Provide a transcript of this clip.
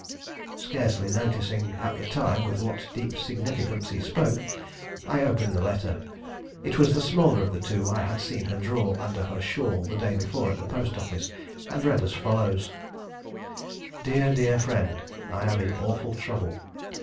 Scarcely noticing at the time with what deep significance he spoke, I opened the letter. It was the smaller of the two I had seen her draw under her shawl the day before at the post office, and read as follows: "DEAR, DEAR FRIEND: "I am in awful trouble.